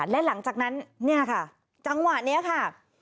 และหลังจากนั้นเนี่ยค่ะจังหวะนี้ค่ะ